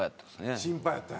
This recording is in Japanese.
心配やったんや。